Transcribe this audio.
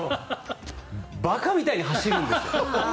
馬鹿みたいに走るんですよ。